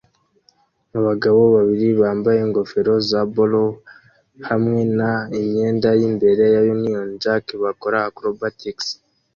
Abagabo babiri bambaye ingofero za bowler hamwe na imyenda yimbere ya Union Jack bakora acrobatics